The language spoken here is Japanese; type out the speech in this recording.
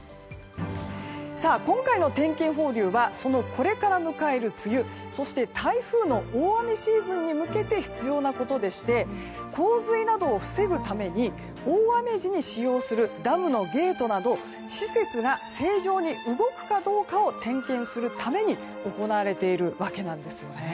今回の点検放流はこれから迎える梅雨そして、台風の大雨シーズンに向けて必要なことでして洪水などを防ぐために大雨時に使用するダムのゲートなどの施設が正常に動くかどうかを点検するために行われているわけなんですよね。